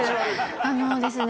あのですね